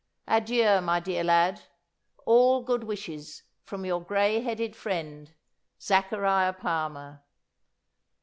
Adieu, my dear lad! All good wishes from your grey headed friend, ZACHARIAH PALMER."